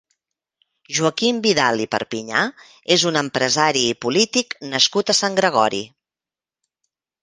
Joaquim Vidal i Perpiñà és un empresari i polític nascut a Sant Gregori.